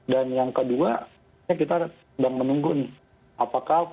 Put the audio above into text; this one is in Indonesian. dan yang kedua kita sedang menunggu nih